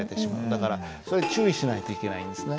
だから注意しないといけないんですね。